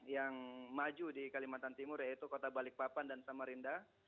yang maju di kalimantan timur yaitu kota balikpapan dan samarinda